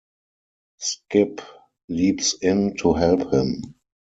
Skip leaps in to help him.